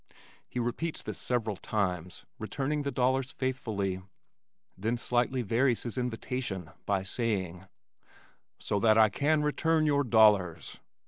He repeats this several times, returning the dollars faithfully, then slightly varies his invitation by saying, "so that I can return your dollars."